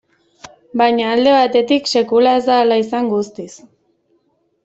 Baina alde batetik, sekula ez da hala izan guztiz.